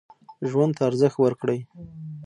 ژوند ته ارزښت ورکړئ.